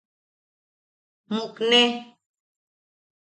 Mukne.